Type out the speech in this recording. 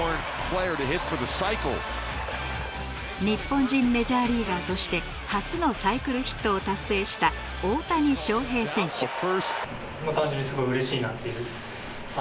日本人メジャーリーガーとして初のサイクルヒットを達成した大谷翔平選手。